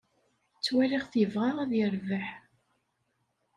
Ttwaliɣ-t yebɣa ad yerbeḥ.